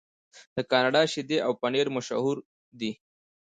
د کاناډا شیدې او پنیر مشهور دي.